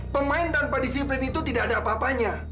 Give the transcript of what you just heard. pemain tanpa disiplin itu tidak ada apa apanya